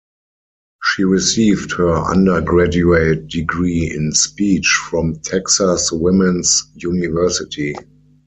She received her undergraduate degree in speech from Texas Woman's University.